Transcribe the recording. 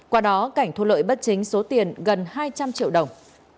qua đó cảnh thu lợi bất chính số tiền gần hai trăm linh triệu đồng